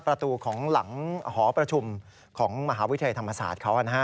ประตูของหลังหอประชุมของมหาวิทยาลัยธรรมศาสตร์เขานะฮะ